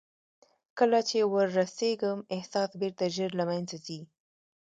کله چې ور رسېږم احساس بېرته ژر له منځه ځي.